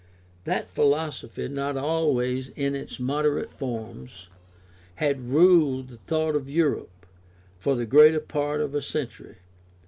That philosophy not always in its moderate forms, had ruled the thought of Europe for the greater part of a century.